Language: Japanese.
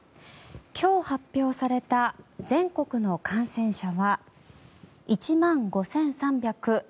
今日、発表された全国の感染者は１万５３７２人。